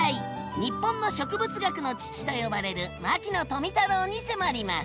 「日本の植物学の父」と呼ばれる牧野富太郎に迫ります！